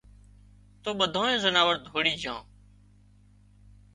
تو ٻڌانئي زناور ڌوڙِي جھان